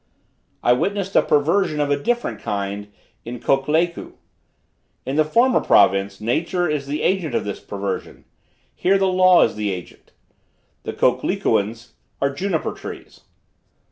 I witnessed a perversion of a different kind in Kokleku. In the former province, nature is the agent of this perversion; here the law is the agent. The Koklekuans are juniper trees.